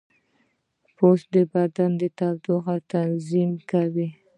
پوست د بدن د تودوخې تنظیم کوي.